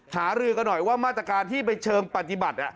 หารือกันหน่อยว่ามาตรการที่ไปเชิงปฏิบัติ